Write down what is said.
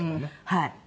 はい。